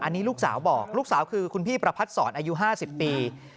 อันนี้ลูกสาวบอกลูกสาวคือคุณพี่ประพัดศรอายุ๕๐ปี